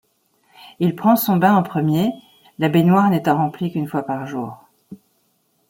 Il prend son bain en premier, la baignoire n'étant remplie qu'une fois par jour.